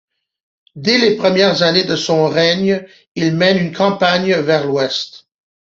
Dès les premières années de son règne, il mène une campagne vers l'ouest.